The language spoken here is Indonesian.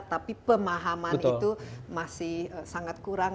tapi pemahaman itu masih sangat kurang